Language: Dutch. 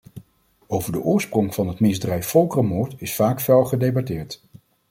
Over de oorsprong van het misdrijf volkerenmoord is vaak fel gedebatteerd.